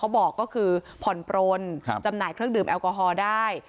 บอกก็คือผ่อนปลนจำหน่ายเครื่องดื่มแอลกอฮอล์ได้